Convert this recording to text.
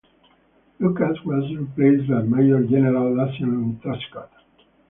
Lucas was replaced by Major General Lucian Truscott.